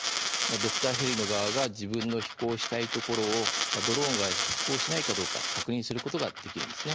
ドクターヘリの側が自分の飛行したいところをドローンが飛行しないかどうか確認することができるんです。